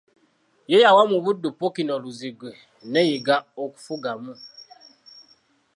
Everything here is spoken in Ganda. Ye yawa mu Buddu Pookino Luzige ne Iga okufugamu.